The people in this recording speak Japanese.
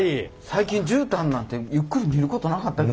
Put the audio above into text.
最近絨毯なんてゆっくり見ることなかった。